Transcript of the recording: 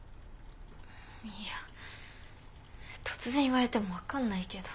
いや突然言われても分かんないけど。